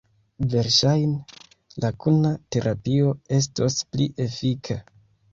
Verŝajne, la kuna terapio estos pli efika.